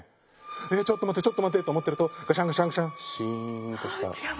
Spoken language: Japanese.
えっちょっと待ってちょっと待ってと思ってるとガシャンガシャンガシャンシーンとした。